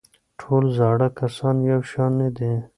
ټول زاړه کسان یو شان نه دي.